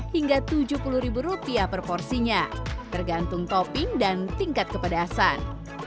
hingga rp tujuh puluh per porsinya tergantung topping dan tingkat kepedasan